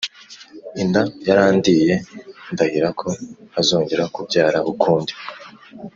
Inda yarandiye ndahira ko ntazongera kubyara ukundi